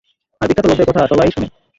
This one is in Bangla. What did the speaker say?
আর বিখ্যাত লোকেদের কথা সবাই শুনে।